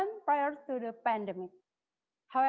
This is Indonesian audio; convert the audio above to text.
selamat pagi kepada semua